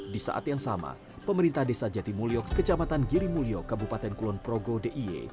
di saat yang sama pemerintah desa jatimulyo kejamatan girimulyo kabupaten kulonprogo d i e